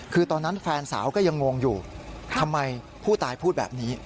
คือตอนนั้นแฟนสาวก็ยังงงอยู่ทำไมผู้ตายพูดแบบนี้